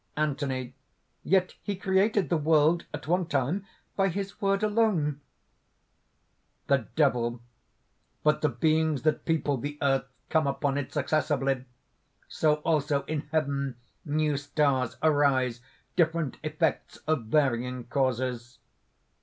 ANTHONY. "Yet he created the world, at one time, by his word only." THE DEVIL. "But the beings that people the earth come upon it successively. So also, in heaven, new stars arise different effects of varying causes."